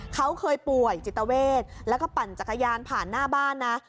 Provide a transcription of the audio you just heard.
เขาเคยป่วยจิตเวทแล้วก็ปั่นจักรยานผ่านหน้าบ้านนะ